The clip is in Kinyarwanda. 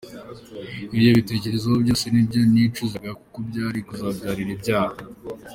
Ibyo bitekerezo byose nibyo nicuzaga kuko byari kuzambyarira ibyaha.